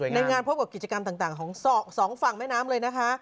ในงานพบกับกิจกรรมต่างของสองฝั่งแม่น้ำเลยนะคะ